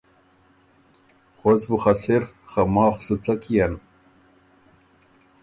غؤس بُو خه سِر خه ماخ سُو څۀ کيېن۔“